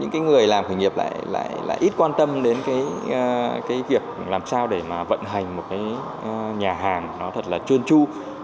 những cái người làm khởi nghiệp lại ít quan tâm đến cái việc làm sao để mà vận hành một cái nhà hàng nó thật là chuôn chu